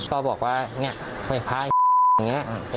ก็บอกว่าเฮ้ยผ้าอย่างนี้